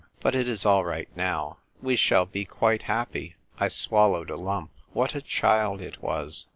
But it is all right now. We shall be quite happy !" I swallowed a lump. What a child it was